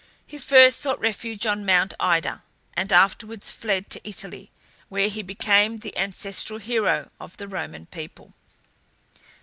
He first sought refuge on Mount Ida, and afterwards fled to Italy, where he became the ancestral hero of the Roman people.